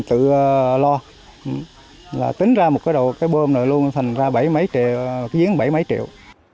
thành ra diếng bảy mấy triệu